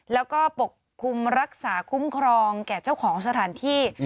แล้วก็ปกคลุมรักษาคุ้มครองแก่เจ้าของสถานที่